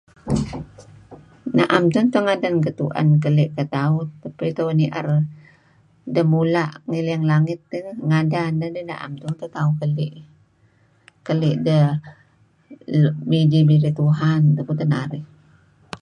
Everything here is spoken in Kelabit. Na'em tun teh ngadan getu'en keli' ketauh, kadi' tauh ni'er deh mula' ngi liyang langit eh, ngadan deh am tun teh tauh keli'. Keli' deh nuk midih birey Tuhan tupu teh narih.